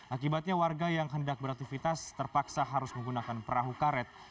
akibatnya warga yang hendak beraktivitas terpaksa harus menggunakan perahu karet